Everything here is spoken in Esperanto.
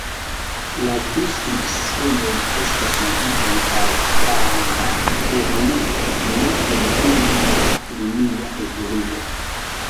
La du skribsistemoj estas ligitaj al paralela evoluo, ne en ununura linia evoluo.